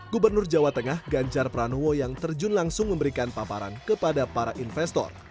gubernur jawa tengah ganjar pranowo yang terjun langsung memberikan paparan kepada para investor